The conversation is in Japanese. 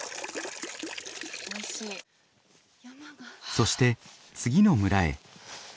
そして次の村へ。